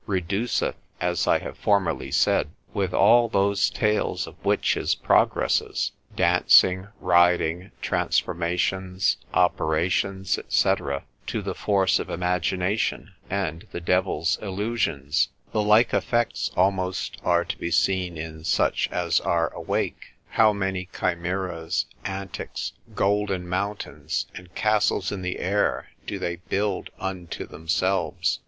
reduceth (as I have formerly said), with all those tales of witches' progresses, dancing, riding, transformations, operations, &c. to the force of imagination, and the devil's illusions. The like effects almost are to be seen in such as are awake: how many chimeras, antics, golden mountains and castles in the air do they build unto themselves?